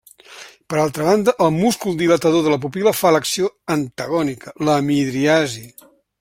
Per altra banda, el múscul dilatador de la pupil·la fa l'acció antagònica, la midriasi.